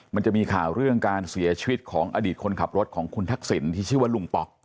มันจะมีข่าวเรื่องการเสียชีวิตของอดีตคนขับรถของคุณทักษิณที่ชื่อว่าลุงป๊อก